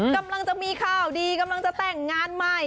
กำลังจะมีข่าวดีกำลังจะแต่งงานใหม่